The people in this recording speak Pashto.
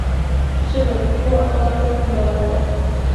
ژبه د ښو اخلاقو هنداره ده